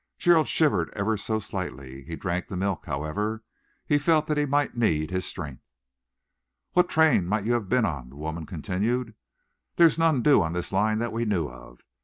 Gerald shivered ever so slightly. He drank the milk, however. He felt that he might need his strength. "What train might you have been on?" the woman continued. "There's none due on this line that we knew of.